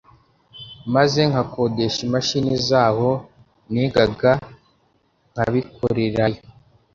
maze nkakodesha imashini z’aho nigaga nkabikorerayo